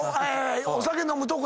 お酒飲むとこ。